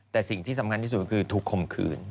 แต่สิ่งที่สำคัญที่สุดก็คือถูกข่มขืน